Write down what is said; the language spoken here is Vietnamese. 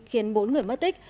khiến bốn người mất tích